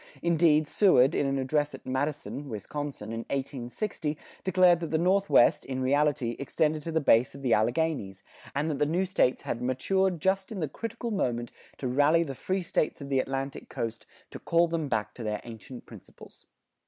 Indeed, Seward, in an address at Madison, Wisconsin, in 1860, declared that the Northwest, in reality, extended to the base of the Alleghanies, and that the new States had "matured just in the critical moment to rally the free States of the Atlantic coast, to call them back to their ancient principles."